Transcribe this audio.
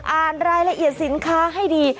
อ่านรายละเอียดสินค้าให้ดี